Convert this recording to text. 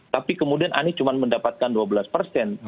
tapi kemudian anies cuma mendapatkan dua belas persen